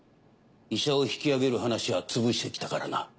医者を引き上げる話は潰してきたからな。